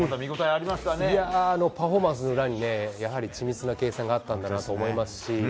あのパフォーマンスの裏に緻密な計算があったんだなと思いますし。